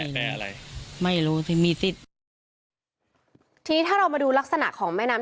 แม่อะไรไม่รู้ที่มีสิทธิ์ทีนี้ถ้าเรามาดูลักษณะของแม่น้ำ